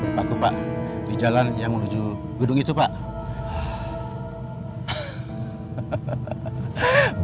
sekarang sudah sepuluh philip kempissenschaft festival